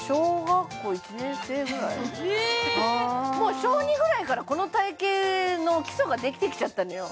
へえもう小２ぐらいからこの体形の基礎ができてきちゃったのよ